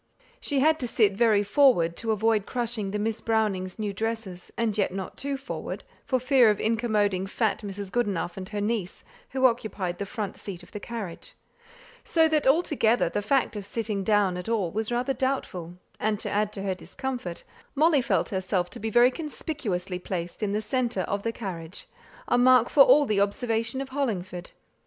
She had to sit very forward to avoid crushing the Miss Brownings' new dresses; and yet not too forward, for fear of incommoding fat Mrs. Goodenough and her niece, who occupied the front seat of the carriage; so that altogether the fact of sitting down at all was rather doubtful, and to add to her discomfort, Molly felt herself to be very conspicuously placed in the centre of the carriage, a mark for all the observation of Hollingford.